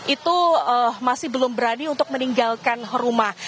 itu masih belum berani untuk meninggalkan rumah